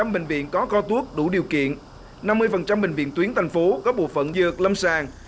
một trăm linh bệnh viện có co thuốc đủ điều kiện năm mươi bệnh viện tuyến thành phố có bộ phận dược lâm sàng